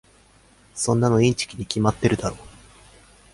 そんなのインチキに決まってるだろ。